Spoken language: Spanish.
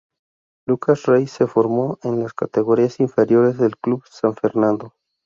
Lucas Rey se formó en las categorías inferiores del Club San Fernando.